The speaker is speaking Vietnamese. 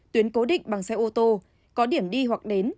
tuyến cố định bằng xe ô tô có điểm đi hoặc đến